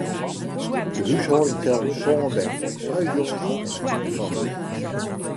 De húshâlding telde sân bern, seis jonges en ien famke.